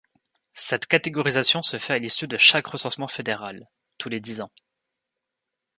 Cette catégorisation se fait à l'issue de chaque recensement fédéral, tous les dix ans.